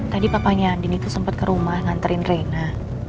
tadi papanya andini itu sempat ke rumah nganterin reina